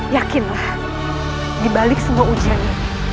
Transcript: yakinlah dibalik semua ujian ini